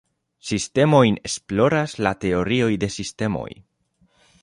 Sistemojn esploras la teorio de sistemoj.